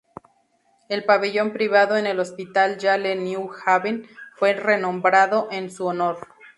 El Pabellón privado en el Hospital Yale New Haven fue renombrado en su honor.